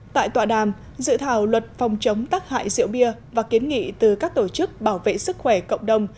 tại tọa đàm dự thảo luật phòng chống tắc hại rượu bia và kiến nghị từ các tổ chức bảo vệ sức khỏe cộng đồng